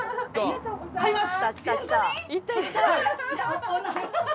買います。